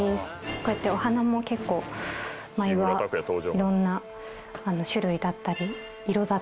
「こうやってお花も結構毎話いろんな種類だったり色だったりっていう。